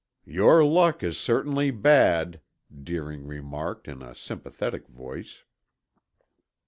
"Your luck is certainly bad," Deering remarked in a sympathetic voice.